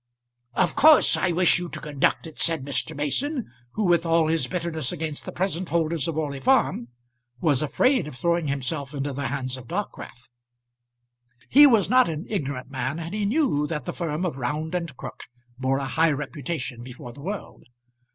"Of course I wish you to conduct it," said Mr. Mason, who, with all his bitterness against the present holders of Orley Farm, was afraid of throwing himself into the hands of Dockwrath. He was not an ignorant man, and he knew that the firm of Round and Crook bore a high reputation before the world.